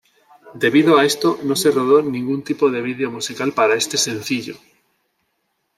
Debido a esto, no se rodó ningún tipo de video musical para este sencillo.